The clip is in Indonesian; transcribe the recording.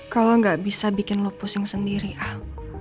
kalau nggak bisa bikin lo pusing sendiri al